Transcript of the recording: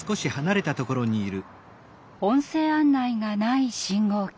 音声案内がない信号機。